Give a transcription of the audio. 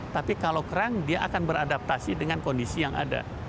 tapi kalau kerang dia akan beradaptasi dengan kondisi yang ada